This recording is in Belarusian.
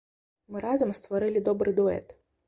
Мы разам стварылі добры дуэт.